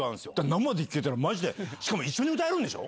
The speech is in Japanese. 生で聴けたら、マジで、しかも一緒に歌えるんでしょ？